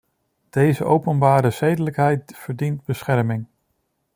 Deze openbare zedelijkheid verdient bescherming.